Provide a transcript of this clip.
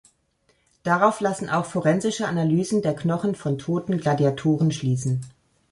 Darauf lassen auch forensische Analysen der Knochen von toten Gladiatoren schließen.